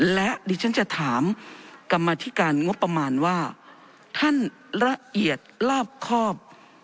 และดิฉันจะถามกรรมธิการงบประมาณว่าท่านละเอียดลาบครอบ